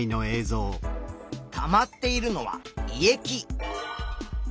たまっているのは胃液。